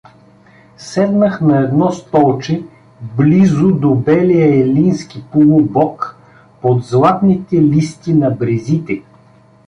Седнах на едно столче близу до белия елински полубог, под златните листи на брезите.